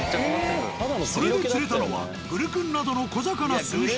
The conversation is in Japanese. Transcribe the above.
それで釣れたのはグルクンなどの小魚数匹。